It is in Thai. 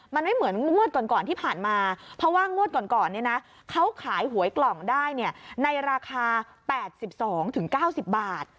มันไม่เหมือนงวดก่อนก่อนที่ผ่านมาเพราะว่างวดก่อนก่อนเนี่ยนะเขาขายหวยกล่องได้เนี่ยในราคาแปดสิบสองถึงเก้าสิบบาท